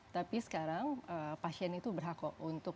tapi sekarang pasien itu berhak kok untuk